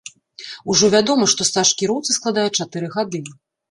Ужо вядома, што стаж кіроўцы складае чатыры гады.